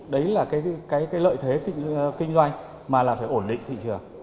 đấy là cái lợi thế kinh doanh mà là phải ổn định thị trường